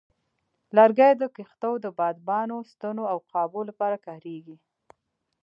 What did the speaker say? لرګي د کښتو د بادبانو، ستنو، او قابو لپاره کارېږي.